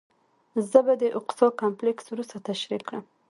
زه به د اقصی کمپلکس وروسته تشریح کړم.